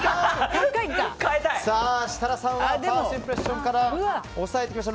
設楽さんはファーストインプレッションから抑えてきました。